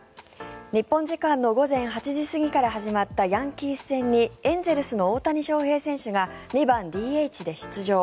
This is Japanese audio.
日本時間の午前８時過ぎから始まったヤンキース戦にエンゼルスの大谷翔平選手が２番ＤＨで出場。